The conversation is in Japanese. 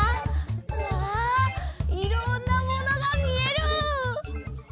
うわいろんなものがみえる！